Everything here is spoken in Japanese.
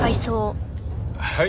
はい。